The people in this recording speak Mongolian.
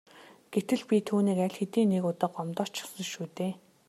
Гэтэл би түүнийг аль хэдийн нэг удаа гомдоочихсон шүү дээ.